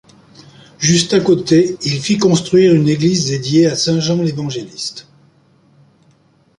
Juste à côté, il fit construire une église dédiée à saint Jean-l'Évangéliste.